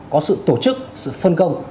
có sự tổ chức sự phân công